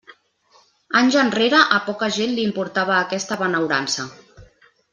Anys enrere a poca gent li importava aquesta benaurança.